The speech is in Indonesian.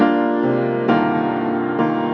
aku gak dengerin kata kata kamu mas